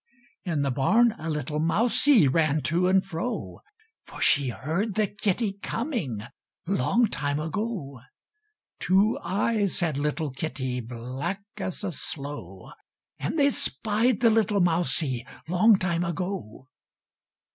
In the barn a little mousie Ran to and fro; For she heard the kitty coming, Long time ago. Two eyes had little kitty, Black as a sloe; And they spied the little mousie, Long time ago.